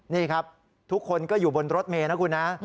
นี่ครับทุกคนก็อยู่บนรถเมย์นะคุณนะ